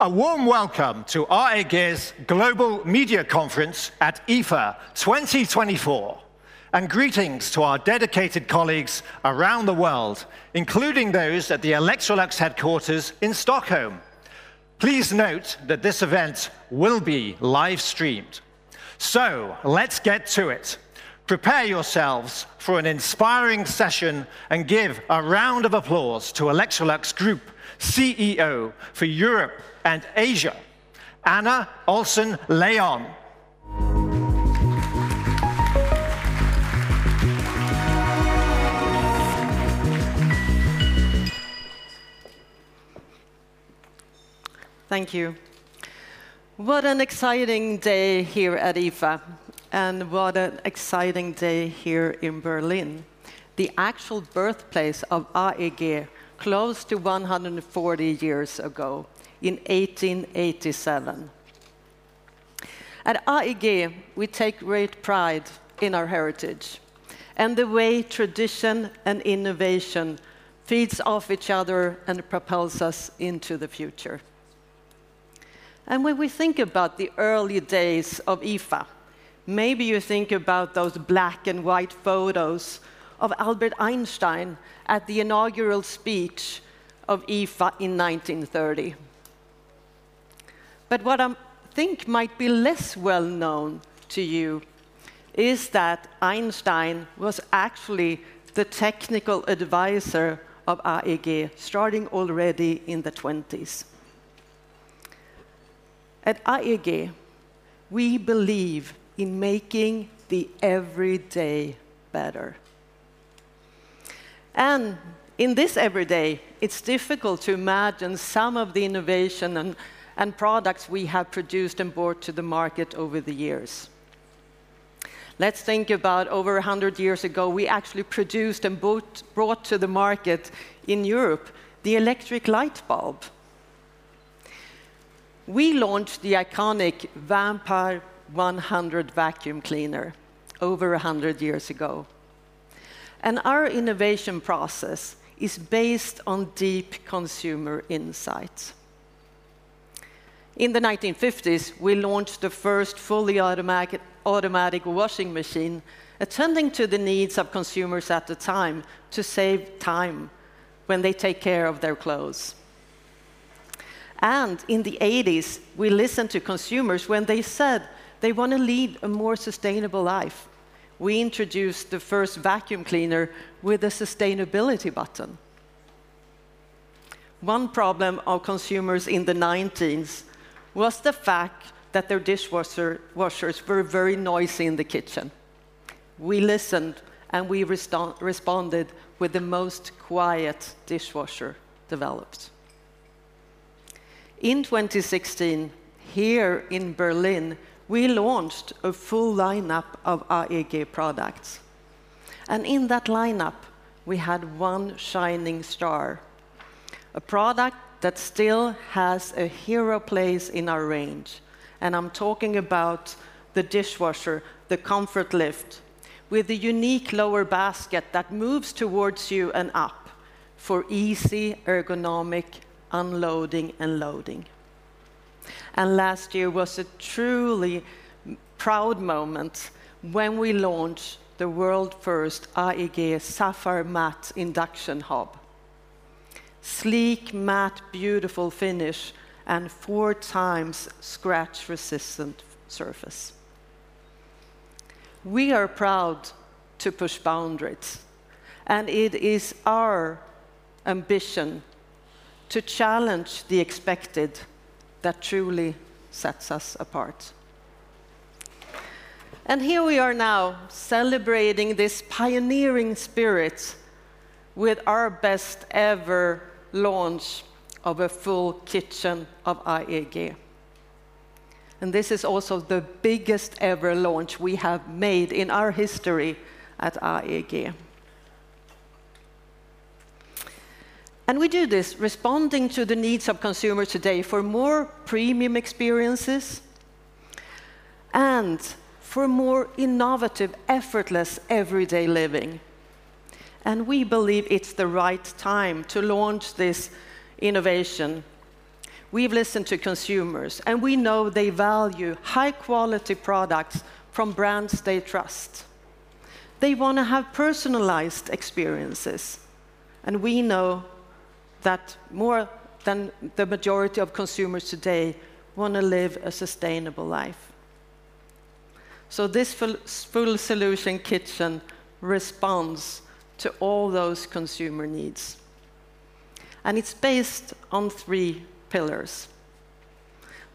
A warm welcome to AEG's Global Media Conference at IFA 2024, and greetings to our dedicated colleagues around the world, including those at the Electrolux headquarters in Stockholm. Please note that this event will be live-streamed. So let's get to it. Prepare yourselves for an inspiring session, and give a round of applause to Electrolux Group CEO for Europe and Asia, Anna Ohlsson-Leijon. Thank you. What an exciting day here at IFA, and what an exciting day here in Berlin, the actual birthplace of AEG, close to one hundred and forty years ago in 1887. At AEG, we take great pride in our heritage and the way tradition and innovation feeds off each other and propels us into the future. And when we think about the early days of IFA, maybe you think about those black and white photos of Albert Einstein at the inaugural speech of IFA in 1930. But what I think might be less well known to you is that Einstein was actually the technical advisor of AEG, starting already in the 1920s. At AEG, we believe in making the everyday better. And in this everyday, it's difficult to imagine some of the innovation and products we have produced and brought to the market over the years. Let's think about over a hundred years ago, we actually produced and brought to the market in Europe, the electric light bulb. We launched the iconic Vampyr 100 vacuum cleaner over a hundred years ago, and our innovation process is based on deep consumer insights. In the 1950s, we launched the first fully automatic washing machine, attending to the needs of consumers at the time to save time when they take care of their clothes, and in the 1980s, we listened to consumers when they said they want to lead a more sustainable life. We introduced the first vacuum cleaner with a sustainability button. One problem of consumers in the 1990s was the fact that their dishwasher, washers were very noisy in the kitchen. We listened, and we responded with the most quiet dishwasher developed. In 2016, here in Berlin, we launched a full lineup of AEG products, and in that lineup, we had one shining star, a product that still has a hero place in our range, and I'm talking about the dishwasher, the ComfortLift, with a unique lower basket that moves towards you and up for easy, ergonomic unloading and loading, and last year was a truly proud moment when we launched the world-first AEG SaphirMatt Induction Hob. Sleek, matte, beautiful finish, and four times scratch-resistant surface. We are proud to push boundaries, and it is our ambition to challenge the expected that truly sets us apart, and here we are now celebrating this pioneering spirit with our best-ever launch of a full kitchen of AEG, and this is also the biggest-ever launch we have made in our history at AEG. We do this responding to the needs of consumers today for more premium experiences and for more innovative, effortless, everyday living, and we believe it's the right time to launch this innovation. We've listened to consumers, and we know they value high-quality products from brands they trust. They want to have personalized experiences, and we know that more than the majority of consumers today want to live a sustainable life. This full solution kitchen responds to all those consumer needs, and it's based on three pillars.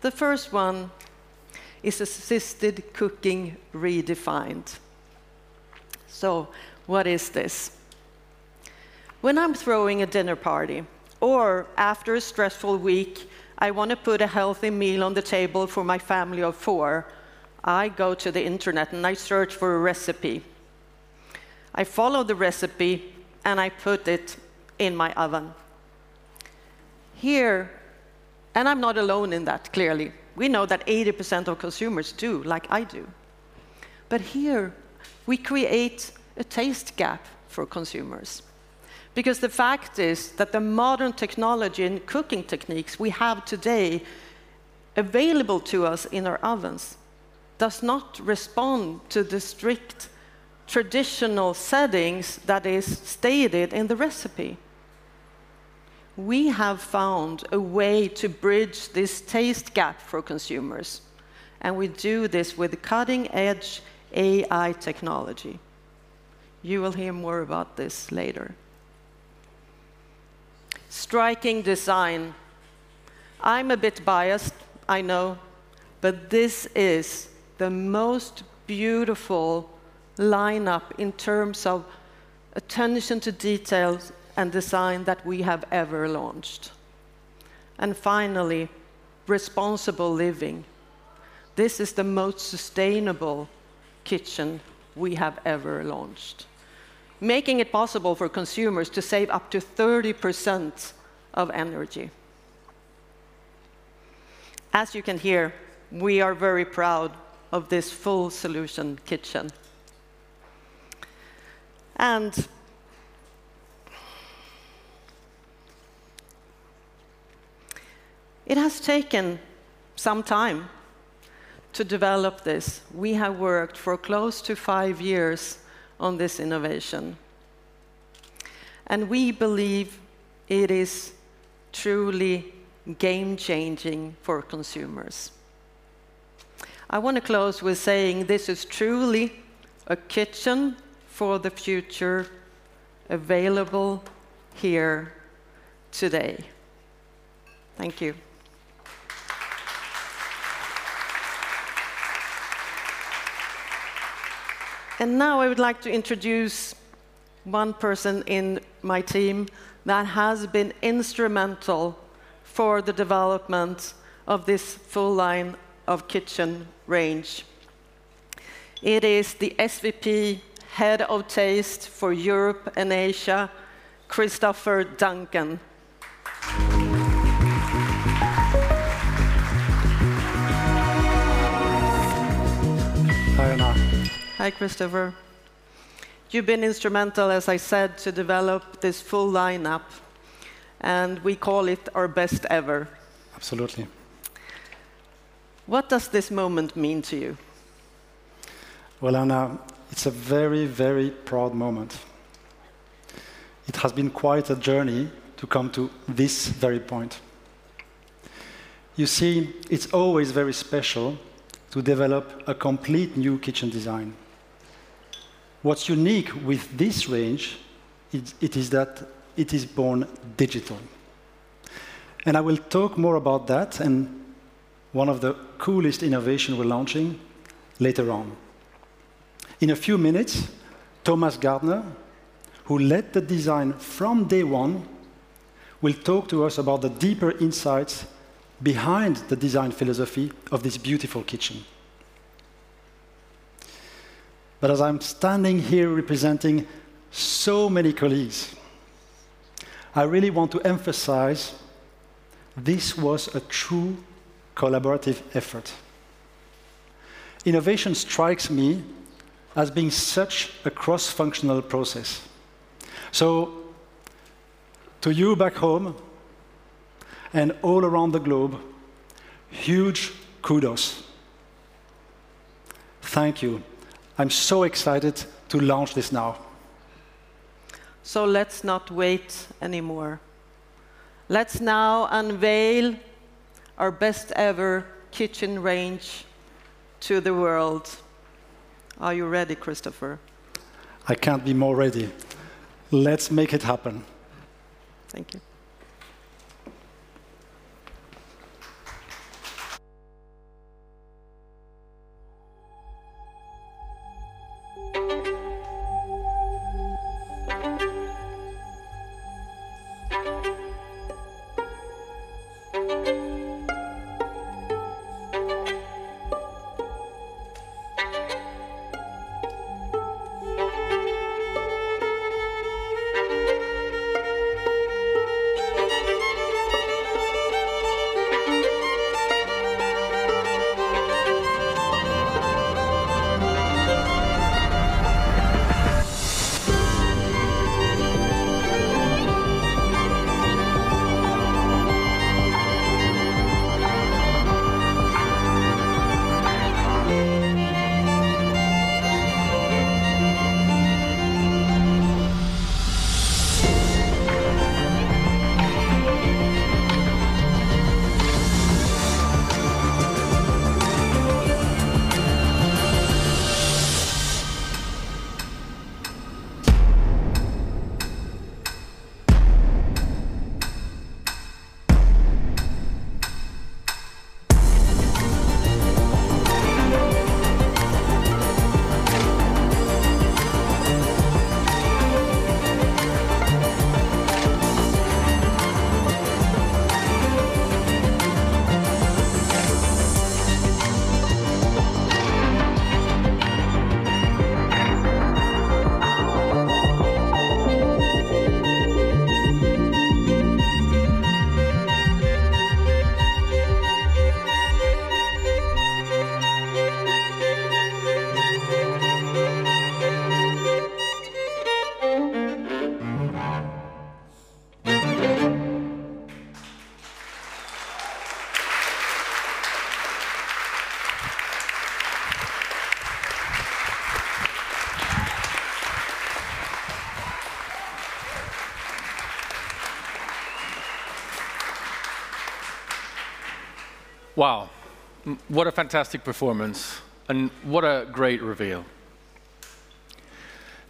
The first one is assisted cooking redefined. What is this? When I'm throwing a dinner party, or after a stressful week, I want to put a healthy meal on the table for my family of four, I go to the internet, and I search for a recipe. I follow the recipe, and I put it in my oven. Here... And I'm not alone in that, clearly. We know that 80% of consumers do like I do... But here, we create a taste gap for consumers. Because the fact is that the modern technology and cooking techniques we have today available to us in our ovens does not respond to the strict traditional settings that is stated in the recipe. We have found a way to bridge this taste gap for consumers, and we do this with cutting-edge AI technology. You will hear more about this later. Striking design. I'm a bit biased, I know, but this is the most beautiful lineup in terms of attention to details and design that we have ever launched. And finally, responsible living. This is the most sustainable kitchen we have ever launched, making it possible for consumers to save up to 30% of energy. As you can hear, we are very proud of this full solution kitchen, and it has taken some time to develop this. We have worked for close to five years on this innovation, and we believe it is truly game-changing for consumers. I want to close with saying this is truly a kitchen for the future, available here today. Thank you, and now I would like to introduce one person in my team that has been instrumental for the development of this full line of kitchen range. It is the SVP, Head of Taste for Europe and Asia, Christopher Duncan. Hi, Anna. Hi, Christopher. You've been instrumental, as I said, to develop this full lineup, and we call it our best ever. Absolutely. What does this moment mean to you? Anna, it's a very, very proud moment. It has been quite a journey to come to this very point. You see, it's always very special to develop a complete new kitchen design. What's unique with this range, it is that it is born digital. I will talk more about that and one of the coolest innovation we're launching later on. In a few minutes, Thomas Gardner, who led the design from day one, will talk to us about the deeper insights behind the design philosophy of this beautiful kitchen. As I'm standing here representing so many colleagues, I really want to emphasize this was a true collaborative effort. Innovation strikes me as being such a cross-functional process. To you back home, and all around the globe, huge kudos. Thank you. I'm so excited to launch this now. So let's not wait anymore. Let's now unveil our best ever kitchen range to the world. Are you ready, Christopher? I can't be more ready. Let's make it happen. Thank you. Wow! What a fantastic performance, and what a great reveal.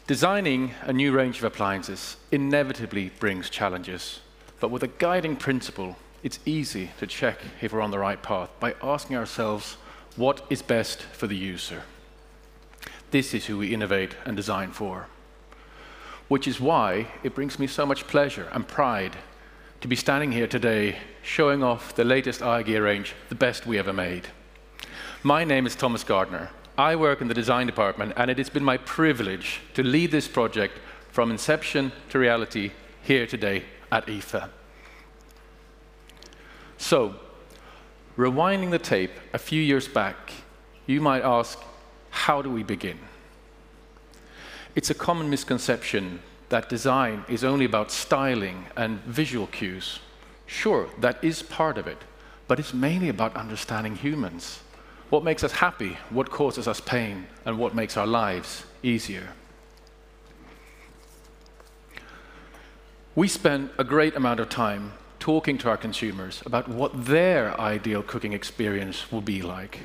Designing a new range of appliances inevitably brings challenges, but with a guiding principle, it's easy to check if we're on the right path by asking ourselves, "What is best for the user?" This is who we innovate and design for. Which is why it brings me so much pleasure and pride to be standing here today showing off the latest AEG range, the best we ever made. My name is Thomas Gardner. I work in the design department, and it has been my privilege to lead this project from inception to reality here today at IFA. So rewinding the tape a few years back, you might ask, "How do we begin?" It's a common misconception that design is only about styling and visual cues. Sure, that is part of it, but it's mainly about understanding humans. What makes us happy, what causes us pain, and what makes our lives easier? We spent a great amount of time talking to our consumers about what their ideal cooking experience will be like,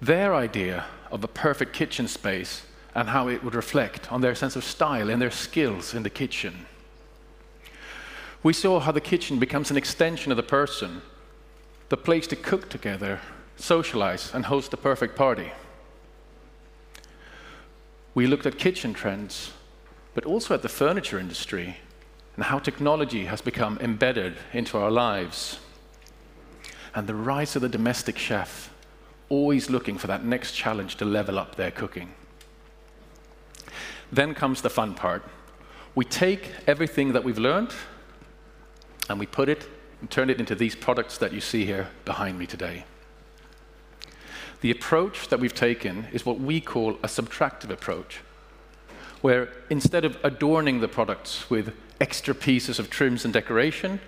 their idea of the perfect kitchen space, and how it would reflect on their sense of style and their skills in the kitchen. We saw how the kitchen becomes an extension of the person, the place to cook together, socialize, and host the perfect party. We looked at kitchen trends, but also at the furniture industry and how technology has become embedded into our lives, and the rise of the domestic chef, always looking for that next challenge to level up their cooking. Then comes the fun part. We take everything that we've learned, and we put it and turn it into these products that you see here behind me today. The approach that we've taken is what we call a subtractive approach, where instead of adorning the products with extra pieces of trims and decoration,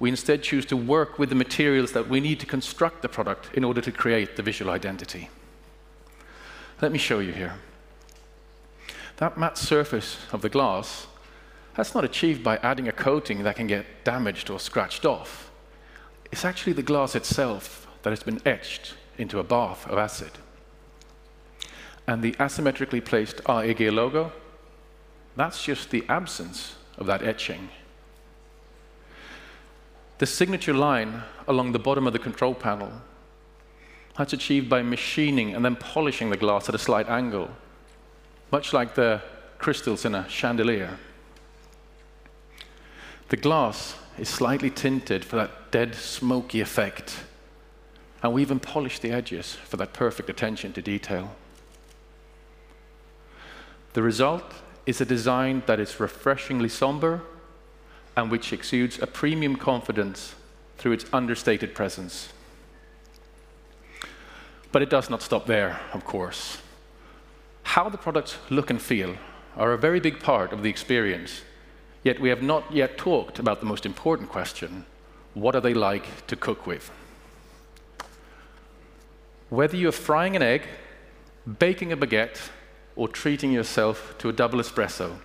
we instead choose to work with the materials that we need to construct the product in order to create the visual identity. Let me show you here. That matte surface of the glass, that's not achieved by adding a coating that can get damaged or scratched off. It's actually the glass itself that has been etched into a bath of acid. And the asymmetrically placed AEG logo, that's just the absence of that etching. The signature line along the bottom of the control panel, that's achieved by machining and then polishing the glass at a slight angle, much like the crystals in a chandelier. The glass is slightly tinted for that dead smoky effect, and we even polish the edges for that perfect attention to detail. The result is a design that is refreshingly somber and which exudes a premium confidence through its understated presence. But it does not stop there, of course. How the products look and feel are a very big part of the experience, yet we have not yet talked about the most important question: What are they like to cook with? Whether you're frying an egg, baking a baguette, or treating yourself to a double espresso,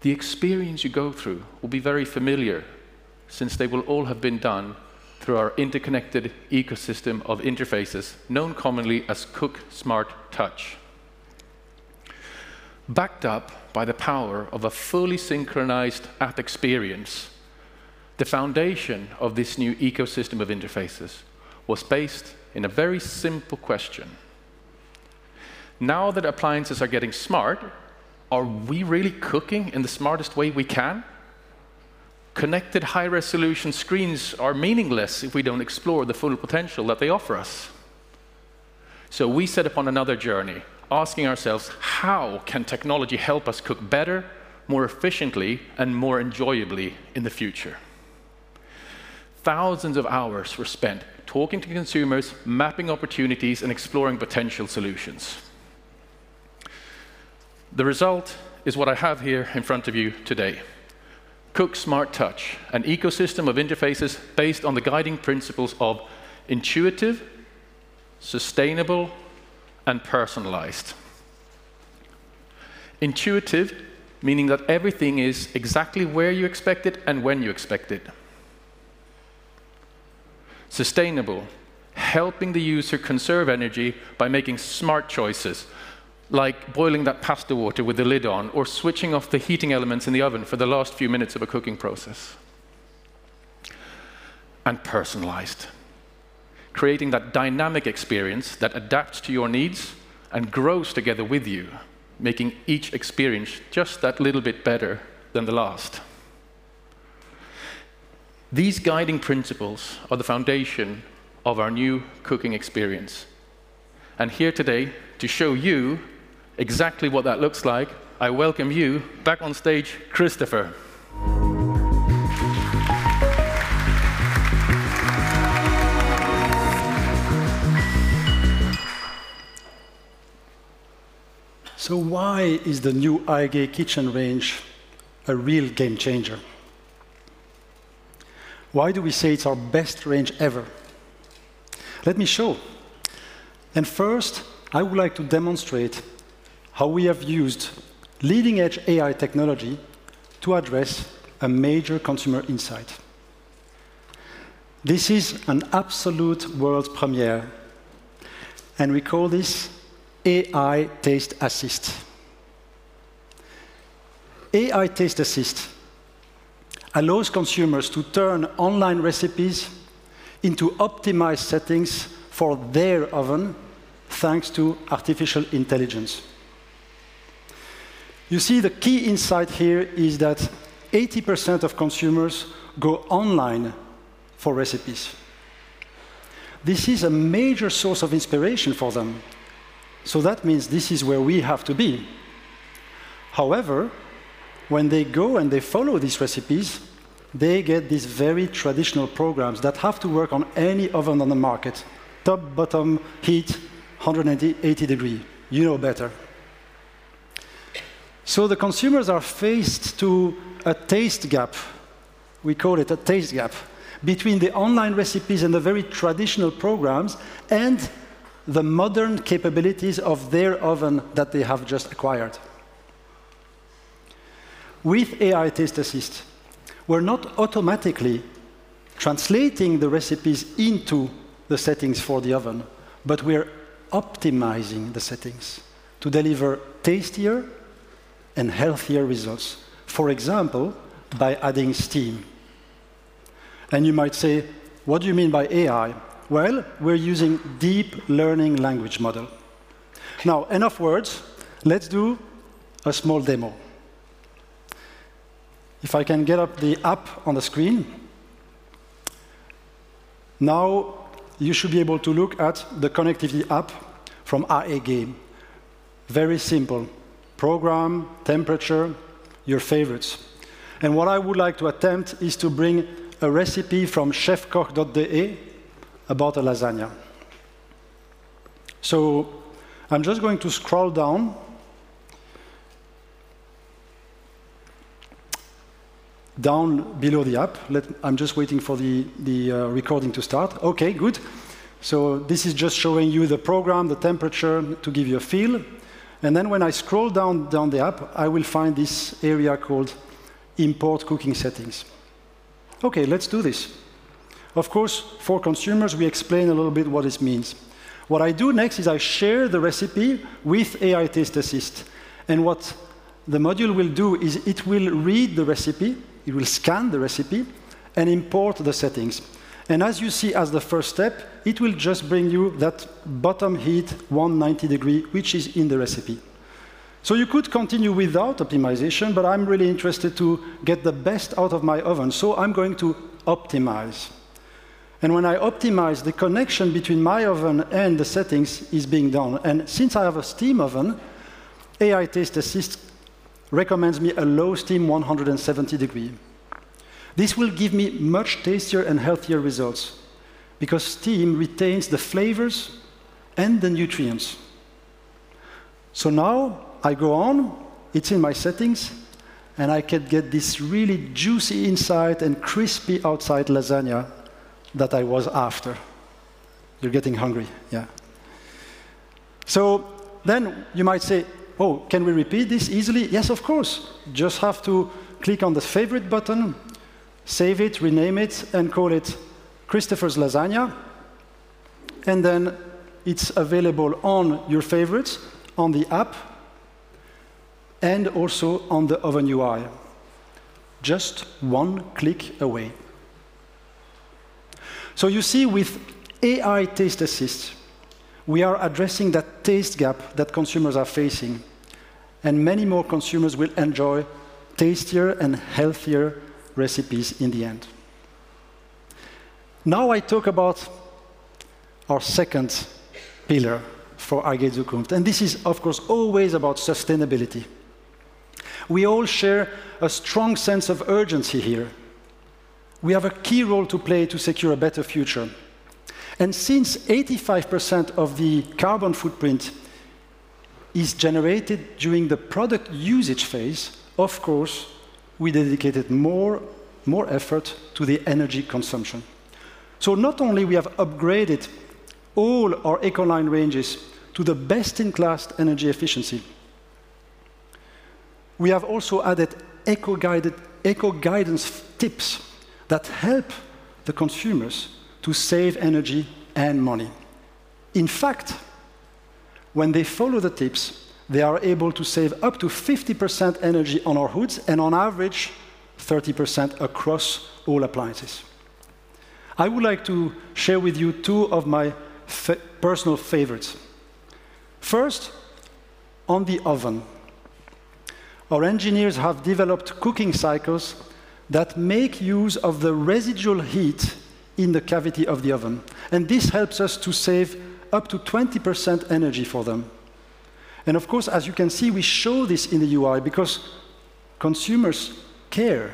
the experience you go through will be very familiar since they will all have been done through our interconnected ecosystem of interfaces, known commonly as CookSmart Touch. Backed up by the power of a fully synchronized app experience, the foundation of this new ecosystem of interfaces was based in a very simple question. Now that appliances are getting smart, are we really cooking in the smartest way we can? Connected high-resolution screens are meaningless if we don't explore the full potential that they offer us. So we set upon another journey, asking ourselves, "How can technology help us cook better, more efficiently, and more enjoyably in the future?" Thousands of hours were spent talking to consumers, mapping opportunities, and exploring potential solutions. The result is what I have here in front of you today, CookSmart Touch, an ecosystem of interfaces based on the guiding principles of intuitive, sustainable, and personalized. Intuitive, meaning that everything is exactly where you expect it and when you expect it. Sustainable, helping the user conserve energy by making smart choices, like boiling that pasta water with the lid on or switching off the heating elements in the oven for the last few minutes of a cooking process. Personalized, creating that dynamic experience that adapts to your needs and grows together with you, making each experience just that little bit better than the last. These guiding principles are the foundation of our new cooking experience. Here today to show you exactly what that looks like, I welcome you back on stage, Christopher. So why is the new AEG kitchen range a real game changer? Why do we say it's our best range ever? Let me show. And first, I would like to demonstrate how we have used leading-edge AI technology to address a major consumer insight. This is an absolute world premiere, and we call this AI Taste Assist. AI Taste Assist allows consumers to turn online recipes into optimized settings for their oven, thanks to artificial intelligence. You see, the key insight here is that 80% of consumers go online for recipes. This is a major source of inspiration for them, so that means this is where we have to be. However, when they go and they follow these recipes, they get these very traditional programs that have to work on any oven on the market: top, bottom, heat, 180 degrees. You know better. So the consumers are faced to a taste gap, we call it a taste gap, between the online recipes and the very traditional programs, and the modern capabilities of their oven that they have just acquired. With AI Taste Assist, we're not automatically translating the recipes into the settings for the oven, but we are optimizing the settings to deliver tastier and healthier results, for example, by adding steam, and you might say, "What do you mean by AI?" Well, we're using deep learning language model. Now, enough words, let's do a small demo. If I can get the app up on the screen. Now, you should be able to look at the connectivity app from AEG. Very simple: program, temperature, your favorites, and what I would like to attempt is to bring a recipe from Chefkoch.de about a lasagna. I'm just going to scroll down, down below the app. I'm just waiting for the recording to start. Okay, good. This is just showing you the program, the temperature, to give you a feel. Then when I scroll down, down the app, I will find this area called Import Cooking Settings. Okay, let's do this. Of course, for consumers, we explain a little bit what this means. What I do next is I share the recipe with AI Taste Assist, and what the module will do is it will read the recipe, it will scan the recipe, and import the settings. As you see, as the first step, it will just bring you that bottom heat, 190 degrees, which is in the recipe. So you could continue without optimization, but I'm really interested to get the best out of my oven, so I'm going to optimize. And when I optimize, the connection between my oven and the settings is being done. And since I have a steam oven, AI Taste Assist recommends me a low steam, 170 degrees Celsius. This will give me much tastier and healthier results because steam retains the flavors and the nutrients. So now I go on, it's in my settings, and I can get this really juicy inside and crispy outside lasagna that I was after. You're getting hungry, yeah. So then you might say, "Oh, can we repeat this easily?" Yes, of course. Just have to click on the Favorite button, save it, rename it, and call it Christopher's Lasagna, and then it's available on your favorites, on the app, and also on the oven UI, just one click away. So you see, with AI Taste Assist, we are addressing that taste gap that consumers are facing, and many more consumers will enjoy tastier and healthier recipes in the end. Now I talk about our second pillar for AEG Zukunft, and this is, of course, always about sustainability. We all share a strong sense of urgency here. We have a key role to play to secure a better future, and since 85% of the carbon footprint is generated during the product usage phase, of course, we dedicated more, more effort to the energy consumption. So not only we have upgraded all our EcoLine ranges to the best-in-class energy efficiency, we have also added eco-guided, eco guidance tips that help the consumers to save energy and money. In fact, when they follow the tips, they are able to save up to 50% energy on our hoods, and on average, 30% across all appliances. I would like to share with you two of my personal favorites. First, on the oven. Our engineers have developed cooking cycles that make use of the residual heat in the cavity of the oven, and this helps us to save up to 20% energy for them. And of course, as you can see, we show this in the UI, because consumers care.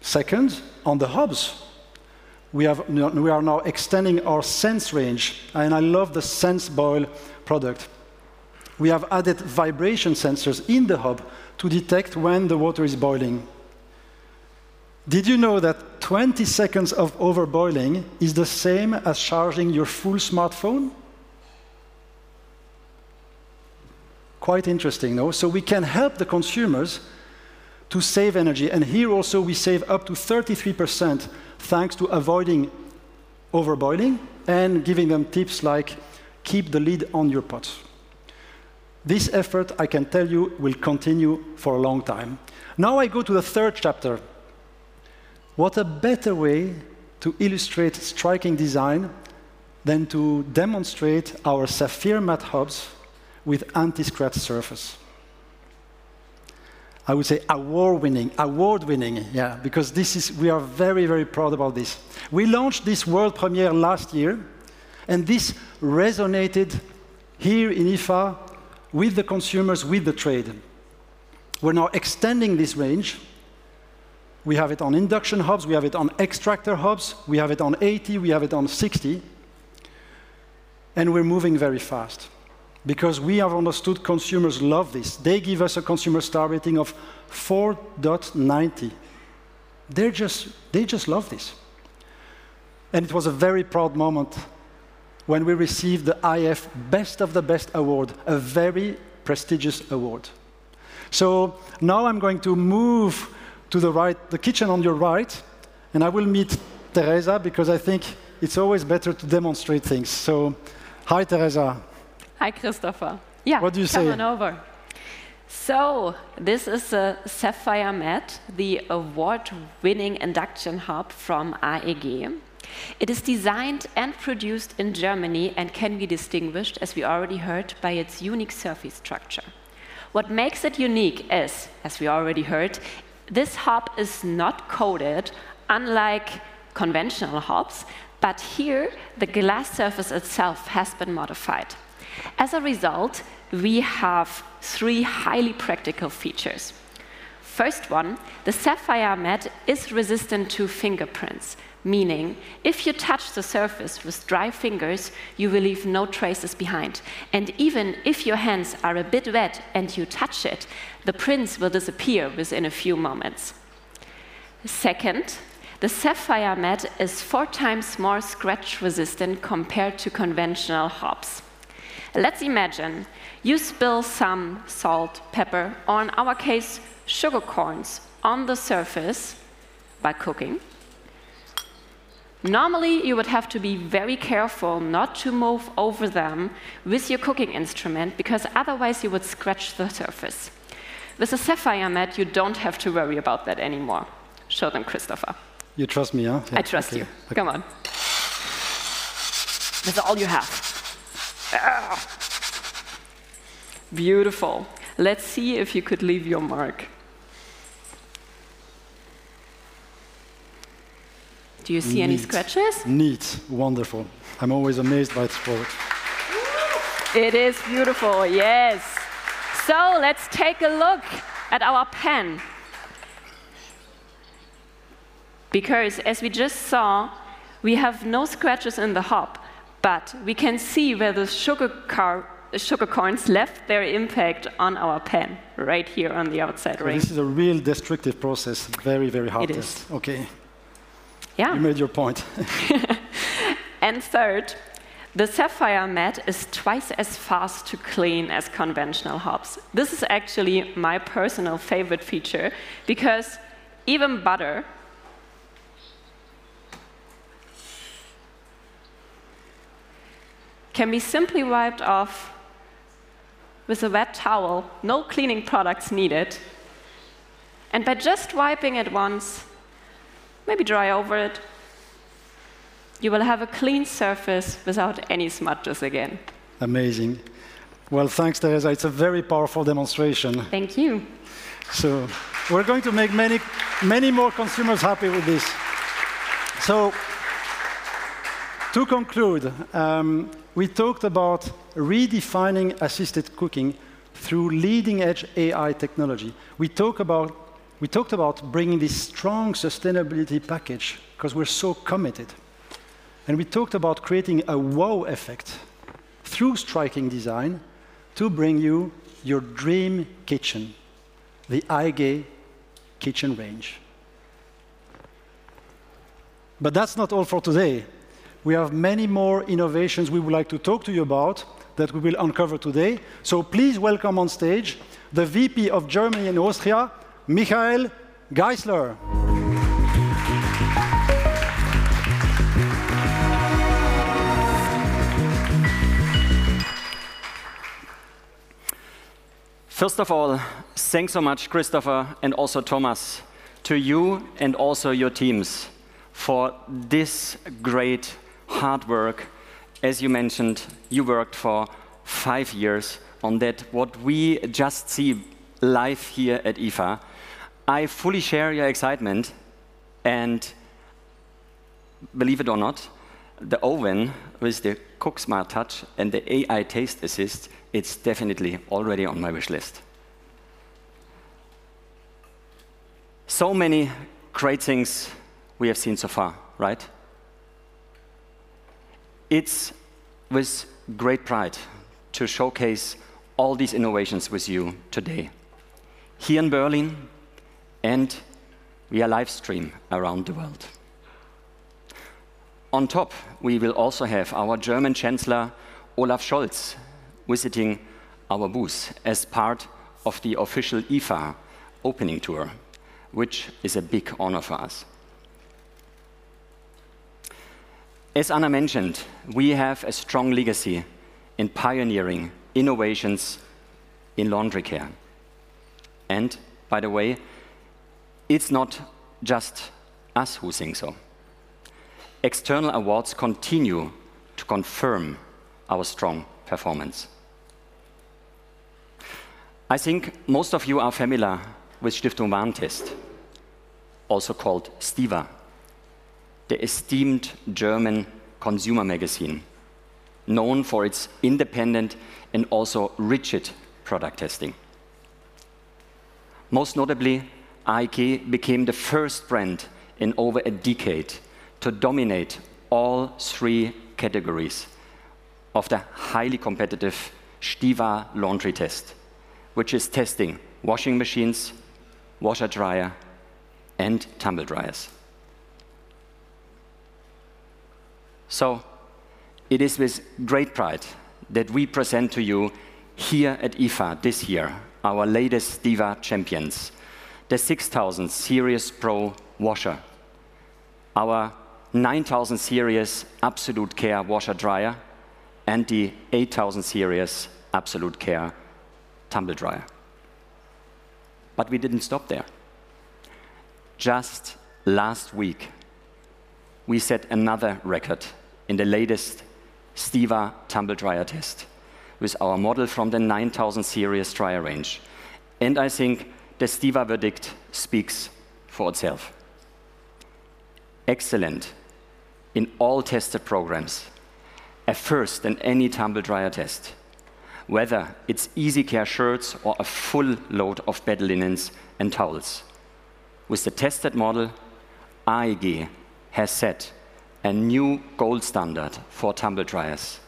Second, on the hobs, we are now extending our sense range, and I love the SenseBoil product. We have added vibration sensors in the hob to detect when the water is boiling. Did you know that 20 seconds of overboiling is the same as charging your full smartphone? Quite interesting, no? So we can help the consumers to save energy, and here also, we save up to 33%, thanks to avoiding overboiling and giving them tips like, "Keep the lid on your pot." This effort, I can tell you, will continue for a long time. Now, I go to the third chapter. What a better way to illustrate striking design than to demonstrate our SaphirMatt hobs with anti-scratch surface. I would say award-winning. Award-winning, yeah, because this is. We are very, very proud about this. We launched this world premiere last year, and this resonated here in IFA with the consumers, with the trade. We're now extending this range. We have it on induction hobs. We have it on extractor hobs. We have it on 80, we have it on 60, and we're moving very fast because we have understood consumers love this. They give us a consumer star rating of 4.90. They're just they just love this. And it was a very proud moment when we received the iF Best of the Best Award, a very prestigious award. So now I'm going to move to the right, the kitchen on your right, and I will meet Teresa, because I think it's always better to demonstrate things. So, hi, Teresa. Hi, Christopher. Yeah- What do you say? Come on over. So this is a SaphirMatt, the award-winning induction hob from AEG. It is designed and produced in Germany, and can be distinguished, as we already heard, by its unique surface structure. What makes it unique is, as we already heard, this hob is not coated, unlike conventional hobs, but here, the glass surface itself has been modified. As a result, we have three highly practical features. First one, the SaphirMatt is resistant to fingerprints, meaning if you touch the surface with dry fingers, you will leave no traces behind, and even if your hands are a bit wet and you touch it, the prints will disappear within a few moments. Second, the SaphirMatt is four times more scratch-resistant compared to conventional hobs. Let's imagine you spill some salt, pepper, or in our case, sugar corns, on the surface by cooking. Normally, you would have to be very careful not to move over them with your cooking instrument, because otherwise you would scratch the surface. With the SaphirMatt, you don't have to worry about that anymore. Show them, Christopher. You trust me, yeah? I trust you. Okay. Come on. That's all you have. Ah! Beautiful. Let's see if you could leave your mark. Do you see any scratches? Neat. Neat. Wonderful. I'm always amazed by this product. It is beautiful, yes. So let's take a look at our pan, because as we just saw, we have no scratches in the hob, but we can see where the sugar caramel left their impact on our pan, right here on the outside, right? This is a real destructive process. Very, very hard. It is. Okay. Yeah. You made your point. Third, the SaphirMatt is twice as fast to clean as conventional hobs. This is actually my personal favorite feature, because even butter can be simply wiped off with a wet towel, no cleaning products needed. By just wiping it once, maybe dry over it, you will have a clean surface without any smudges again. Amazing. Well, thanks, Therese. It's a very powerful demonstration. Thank you. So we're going to make many, many more consumers happy with this. So to conclude, we talked about redefining assisted cooking through leading-edge AI technology. We talked about bringing this strong sustainability package, 'cause we're so committed, and we talked about creating a wow effect through striking design to bring you your dream kitchen, the AEG kitchen range. But that's not all for today. We have many more innovations we would like to talk to you about that we will uncover today. So please welcome on stage the VP of Germany and Austria, Michael Geisler.... First of all, thanks so much, Christopher, and also Thomas, to you and also your teams for this great hard work. As you mentioned, you worked for five years on that, what we just see live here at IFA. I fully share your excitement, and believe it or not, the oven with the CookSmart Touch and the AI Taste Assist, it's definitely already on my wish list. So many great things we have seen so far, right? It's with great pride to showcase all these innovations with you today, here in Berlin and via live stream around the world. On top, we will also have our German Chancellor, Olaf Scholz, visiting our booth as part of the official IFA opening tour, which is a big honor for us. As Anna mentioned, we have a strong legacy in pioneering innovations in laundry care. By the way, it's not just us who think so. External awards continue to confirm our strong performance. I think most of you are familiar with Stiftung Warentest, also called STiWA, the esteemed German consumer magazine, known for its independent and also rigid product testing. Most notably, AEG became the first brand in over a decade to dominate all three categories of the highly competitive STiWA laundry test, which is testing washing machines, washer-dryer, and tumble dryers. It is with great pride that we present to you here at IFA this year, our latest STiWA champions: the 6000 Series Pro Washer, our 9000 Series AbsoluteCare Washer-Dryer, and the 8000 Series AbsoluteCare Tumble Dryer. We didn't stop there. Just last week, we set another record in the latest STiWA tumble dryer test with our model from the 9000 Series Dryer range. I think the STiWA verdict speaks for itself. "Excellent in all tested programs. A first in any tumble dryer test. Whether it's easy-care shirts or a full load of bed linens and towels, with the tested model, AEG has set a new gold standard for tumble dryers.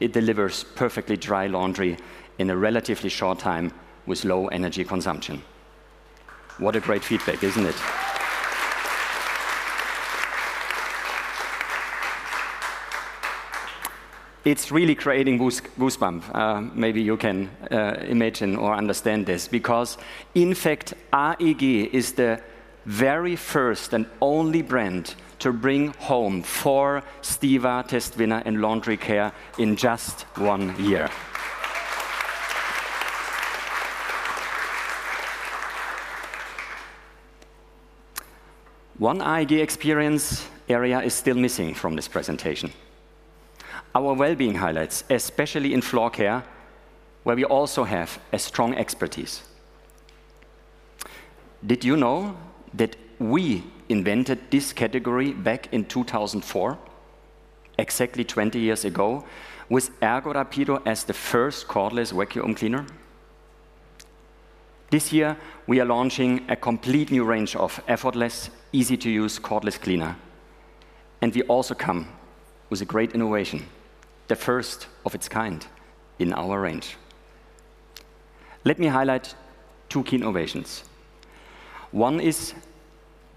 It delivers perfectly dry laundry in a relatively short time with low energy consumption." What a great feedback, isn't it? It's really creating goosebumps, maybe you can imagine or understand this, because in fact, AEG is the very first and only brand to bring home four STiWA test winners in laundry care in just one year. One AEG experience area is still missing from this presentation: our wellbeing highlights, especially in floor care, where we also have a strong expertise. Did you know that we invented this category back in 2004, exactly twenty years ago, with Ergorapido as the first cordless vacuum cleaner? This year, we are launching a complete new range of effortless, easy-to-use cordless cleaner, and we also come with a great innovation, the first of its kind in our range. Let me highlight two key innovations. One is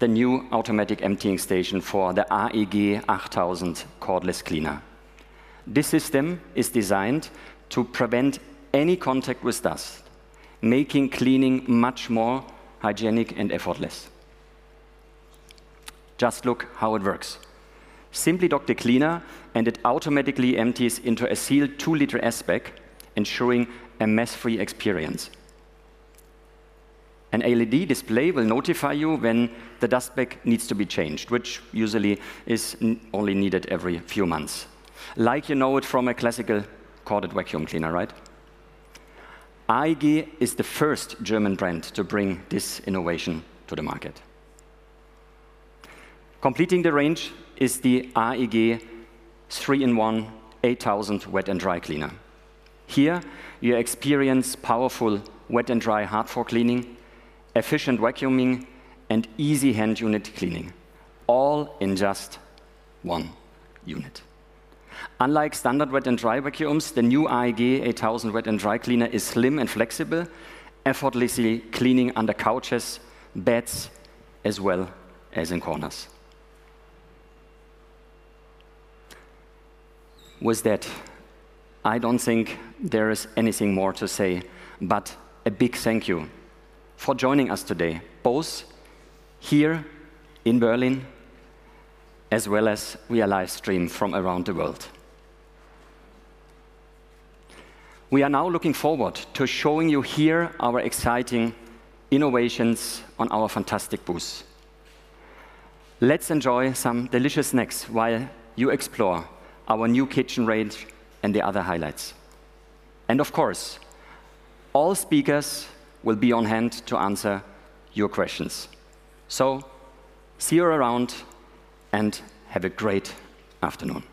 the new automatic emptying station for the AEG 8000 cordless cleaner. This system is designed to prevent any contact with dust, making cleaning much more hygienic and effortless. Just look how it works. Simply dock the cleaner, and it automatically empties into a sealed two-liter S-Bag, ensuring a mess-free experience. An LED display will notify you when the dust bag needs to be changed, which usually is only needed every few months, like you know it from a classical corded vacuum cleaner, right? AEG is the first German brand to bring this innovation to the market. Completing the range is the AEG three-in-one 8000 wet and dry cleaner. Here, you experience powerful wet and dry hard floor cleaning, efficient vacuuming, and easy hand unit cleaning, all in just one unit. Unlike standard wet and dry vacuums, the new AEG 8000 wet and dry cleaner is slim and flexible, effortlessly cleaning under couches, beds, as well as in corners. With that, I don't think there is anything more to say, but a big thank you for joining us today, both here in Berlin, as well as via live stream from around the world. We are now looking forward to showing you here our exciting innovations on our fantastic booths. Let's enjoy some delicious snacks while you explore our new kitchen range and the other highlights. And of course, all speakers will be on hand to answer your questions. So see you around, and have a great afternoon!